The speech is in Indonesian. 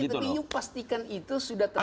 tapi pastikan itu sudah terjadi